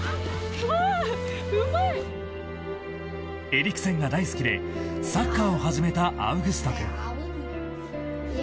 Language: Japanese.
エリクセンが大好きでサッカーを始めたアウグスト君。